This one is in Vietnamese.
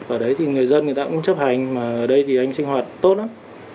ở đấy thì người dân người ta cũng chấp hành mà ở đây thì anh sinh hoạt tốt lắm